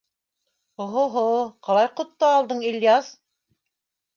— Оһо-һо, ҡалай ҡотто алдың, Ильяс!